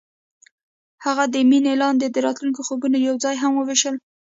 هغوی د مینه لاندې د راتلونکي خوبونه یوځای هم وویشل.